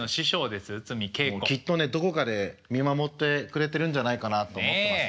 きっとねどこかで見守ってくれてるんじゃないかなと思ってますよ。